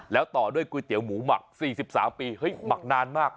แล้วต่อด้วยก๋วยเตี๋ยหมูหมัก๔๓ปีเฮ้ยหมักนานมาก